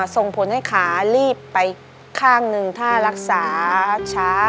ส่งผลให้ขารีบไปข้างหนึ่งถ้ารักษาช้า